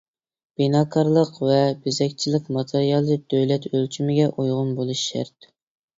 بىناكارلىق ۋە بېزەكچىلىك ماتېرىيالى دۆلەت ئۆلچىمىگە ئۇيغۇن بولۇشى شەرت.